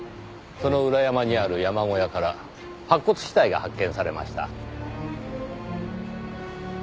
その裏山にある山小屋から白骨死体が発見されました。